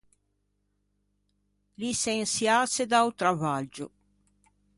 Liçensiâse da-o travaggio.